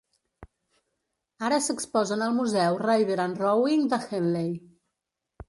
Ara s'exposen al museu River and Rowing de Henley.